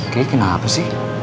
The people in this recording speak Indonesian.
ki kenapa sih